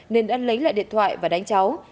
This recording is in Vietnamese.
nên ăn lấy lại điện thoại và đánh cháu